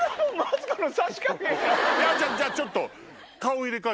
じゃあちょっと。